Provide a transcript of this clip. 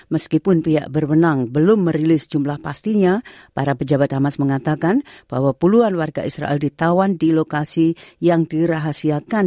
meskipun pihak berwenang belum merilis jumlah pastinya para pejabat hamas mengatakan bahwa puluhan warga israel ditawan di lokasi yang dirahasiakan